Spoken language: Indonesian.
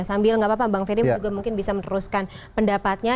sambil nggak apa apa bang ferry juga mungkin bisa meneruskan pendapatnya